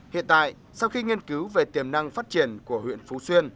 hiện tại sau khi nghiên cứu về tiềm năng phát triển của huyện phú xuyên